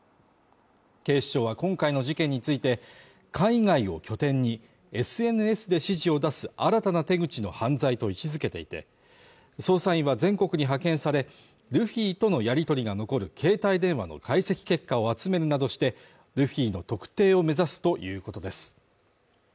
警視庁は今回の事件について海外を拠点にＳＮＳで指示を出す新たな手口の犯罪と位置付けていて、捜査員は全国に派遣され、ルフィとのやり取りが残る携帯電話の解析結果を集めるなどして、ルフィの特定を目指すということです。